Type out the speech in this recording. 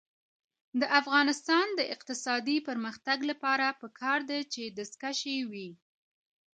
د افغانستان د اقتصادي پرمختګ لپاره پکار ده چې دستکشې وي.